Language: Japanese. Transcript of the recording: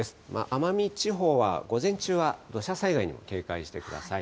奄美地方は午前中は土砂災害に警戒してください。